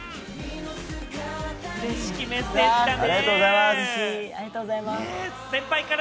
嬉しきメッセージだね。